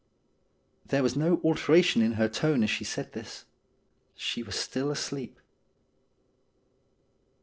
'' There was no alteration in her tone as she said this. She was still asleep.